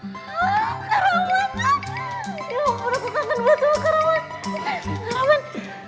ya ampun aku kangen banget sama karawan